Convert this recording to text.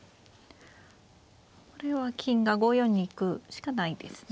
これは金が５四に行くしかないですね。